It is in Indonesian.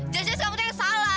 jelas jelas kamu tuh yang salah